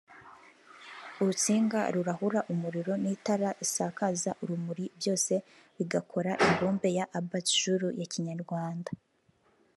urutsinga rurahura umuriro n’itara risakaza urumuri byose bigakora imbumbe ya Abats-jour ya Kinyarwanda